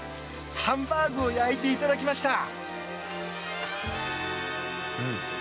ハンバーグを焼いていただきました。